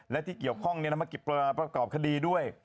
และที่เกี่ยวข้องนำมาประกอบคดีด้วย